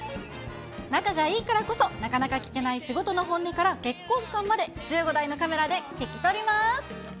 仲がいいからこそ、なかなか聞けない仕事の本音から、結婚観まで、１５台のカメラで聞き取ります。